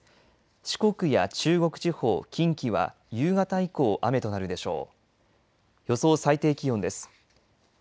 四国や中国地方、近畿は夕方以降、雨となるでしょう。